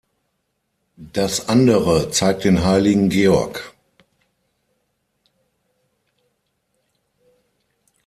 Das andere zeigt den Heiligen Georg.